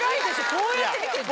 こうやって見てんの？